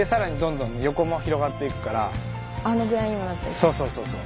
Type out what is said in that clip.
そうそうそうそう。